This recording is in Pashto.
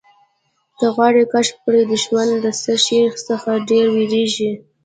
که غواړې کشف کړې دښمن د څه شي څخه ډېر وېرېږي.